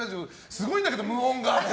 すごいんだけど、無音がって。